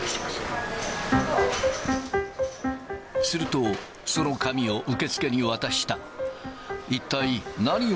すると、その紙を受付に渡した。